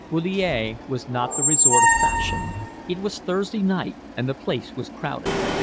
Bullier was not the resort of fashion. It was Thursday night and the place was crowded.